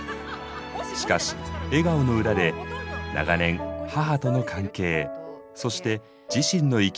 しかし笑顔の裏で長年母との関係そして自身の生き